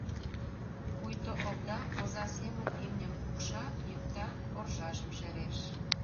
Пуйто овда оза семын имньым пукша-йӱкта, оржажым шереш.